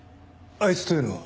あいつというのは？